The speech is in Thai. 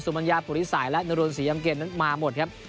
มัญญาปุริสัยและนรวนศรียำเกมนั้นมาหมดครับ